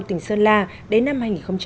tỉnh sơn la đến năm hai nghìn ba mươi